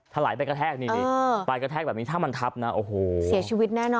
ถลายไปกระแทกนี่ไปกระแทกแบบนี้ถ้ามันทับนะโอ้โหเสียชีวิตแน่นอน